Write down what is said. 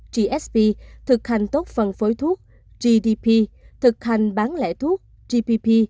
gsb thực hành tốt phân phối thuốc gdp thực hành bán lẻ thuốc gpp